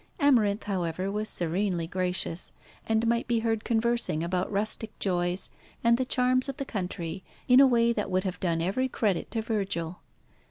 Amarinth, however, was serenely gracious, and might be heard conversing about rustic joys and the charms of the country in a way that would have done every credit to Virgil.